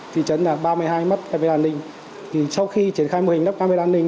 thị trấn là ba mươi hai mất camera an ninh sau khi triển khai mô hình lớp camera an ninh